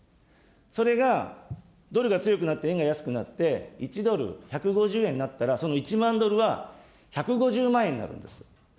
それがドルが強くなって円が安くなって、１ドル１５０円になったら、その１万ドルは、１５０万円になるんです。